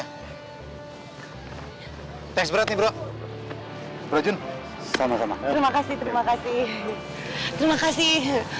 hai teks berarti bro bro jun sama sama terima kasih terima kasih terima kasih